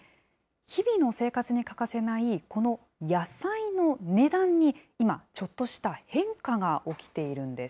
日々の生活に欠かせないこの野菜の値段に今、ちょっとした変化が起きているんです。